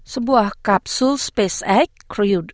sebuah kapsul sebuah kapsel yang berada di luar negeri